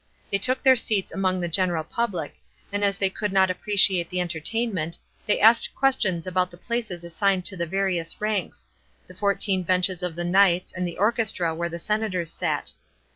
They took their seats among the general public, and as they could not appreciate the entertainment, they asked questions about the places assigned to the various ranks — the fourteen Benches of the knights, and the orchestra where the senators sat.